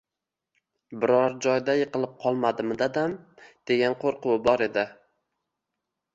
Biror joyda yiqilib qolmadimi dadam, degan qo`rquvi bor edi